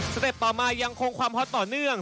เต็ปต่อมายังคงความฮอตต่อเนื่อง